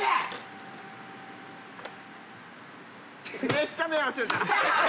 めっちゃ目合わせるじゃん。